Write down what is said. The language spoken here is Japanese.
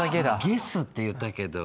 げすって言ったけど。